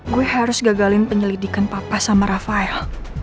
gue harus gagalin penyelidikan papa sama rafael